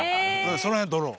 その辺はドロー。